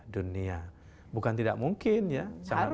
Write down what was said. dunia bukan tidak mungkin ya sangat